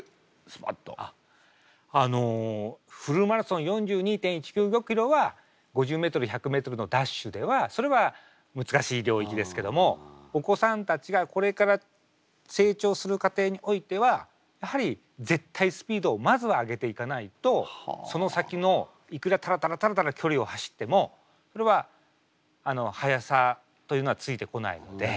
あっあのフルマラソン４２．１９５キロは５０メートル１００メートルのダッシュではそれは難しい領域ですけどもお子さんたちがこれから成長する過程においてはやはり絶対スピードをまずは上げていかないとその先のいくらタラタラタラタラ距離を走ってもそれはあの速さというのはついてこないので。